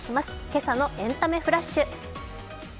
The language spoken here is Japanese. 今朝のエンタメフラッシュ。